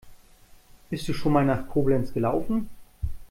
Bist du schon mal nach Koblenz gelaufen?